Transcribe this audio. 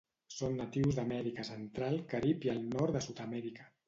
Són natius d'Amèrica central, Carib i el nord de Sud-amèrica.